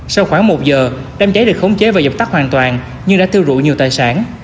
sau khoảng một giờ đám cháy được khống chế và dập tắt hoàn toàn nhưng đã thiêu rụi nhiều tài sản